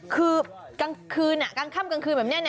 คือกลางคืนกลางค่ำกลางคืนแบบนี้